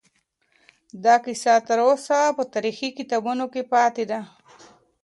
دا کیسه تر اوسه په تاریخي کتابونو کې پاتې ده.